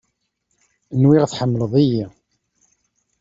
Nwiɣ tḥemleḍ-iyi.